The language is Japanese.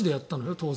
当然。